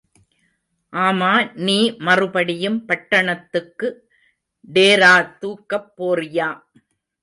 ஆமா, நீ மறுபடியும் பட்டணத்துக்கு டேரா தூக்கப் போறியா.